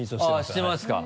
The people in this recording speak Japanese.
あっしてますか。